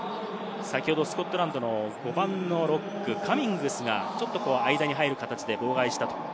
先ほどスコットランドの５番のロック、カミングスがちょっと間に入る形で妨害した。